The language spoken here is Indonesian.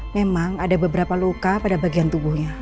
memang ada beberapa luka pada bagian tubuhnya